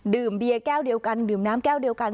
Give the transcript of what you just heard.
เบียร์แก้วเดียวกันดื่มน้ำแก้วเดียวกัน